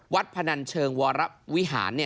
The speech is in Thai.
วัดพนันเชิงวรรพวิหาร